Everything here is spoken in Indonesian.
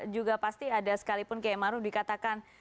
juga pasti ada sekalipun kiai maru dikatakan